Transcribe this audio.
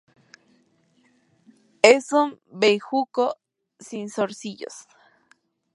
Es un bejuco, sin zarcillos.